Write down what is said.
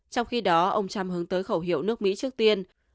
trong khi đó ông trump hướng tới khẩu hiệu nước mỹ trước tiên